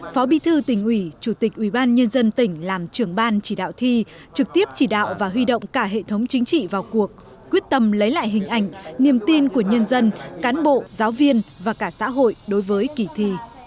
phó bi thư tỉnh ủy chủ tịch ubnd tỉnh làm trưởng ban chỉ đạo thi trực tiếp chỉ đạo và huy động cả hệ thống chính trị vào cuộc quyết tâm lấy lại hình ảnh niềm tin của nhân dân cán bộ giáo viên và cả xã hội đối với kỳ thi